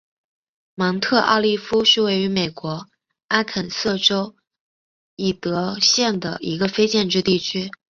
芒特奥利夫是位于美国阿肯色州伊泽德县的一个非建制地区。